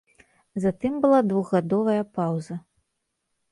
Затым была двухгадовая паўза.